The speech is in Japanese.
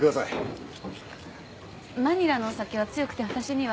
マニラのお酒は強くて私には。